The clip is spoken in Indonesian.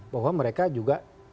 bahwa mereka juga